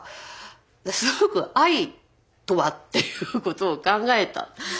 すごく愛とはっていうことを考えた。